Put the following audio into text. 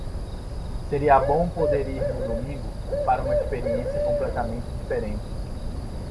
Seria bom poder ir no domingo para uma experiência completamente diferente.